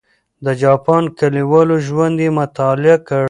د جاپان کلیوالو ژوند یې مطالعه کړ.